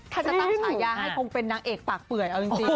ถ้าจะตั้งฉายาให้คงเป็นนางเอกปากเปื่อยเอาจริง